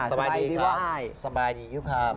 สบายดีครับสบายดีว่ายสบายดีครับสบายดีครับ